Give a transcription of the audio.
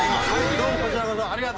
どうもこちらこそ。